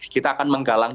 kita akan menggalakkan